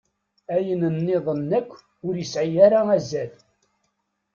Ayen nniḍen akk ur yesɛi ara azal.